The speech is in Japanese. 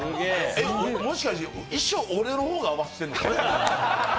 もしかして衣装、俺の方が合わせてんのか？